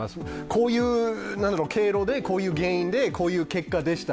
こういう経路で、こういう原因で、こういう結果でした。